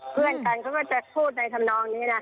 เพื่อนกันเขาก็จะพูดในธรรมนองนี้นะ